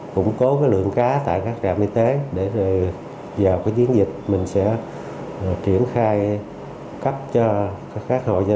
củng cố lượng cá tại các trạm y tế để vào cái diễn dịch mình sẽ triển khai cấp cho các hội gia